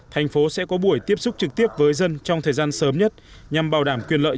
thành phố sẽ có buổi tiếp xúc trực tiếp với dân trong thời gian sớm nhất nhằm bảo đảm quyền lợi